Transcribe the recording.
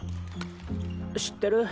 知ってる？